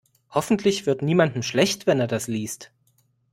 Hoffentlich wird niemandem schlecht, wenn er das liest.